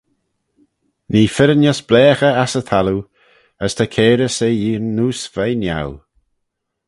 Nee firrinys blaaghey ass y thalloo: as ta cairys er yeeaghyn neose veih niau.